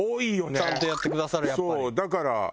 ちゃんとやってくださるやっぱり。